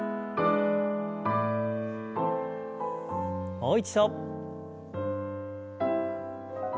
もう一度。